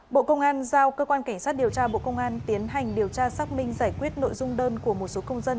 bộ công an giao cơ quan cảnh sát điều tra bộ công an tiến hành điều tra xác minh giải quyết nội dung đơn của một số công dân